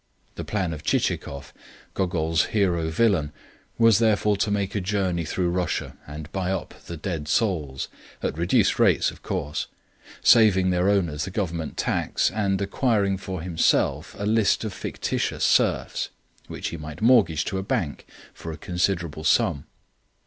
The plan of Chichikov, Gogol's hero villain, was therefore to make a journey through Russia and buy up the "dead souls," at reduced rates of course, saving their owners the government tax, and acquiring for himself a list of fictitious serfs, which he meant to mortgage to a bank for a considerable sum.